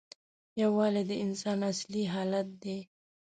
یووالی د انسان اصلي حالت دی.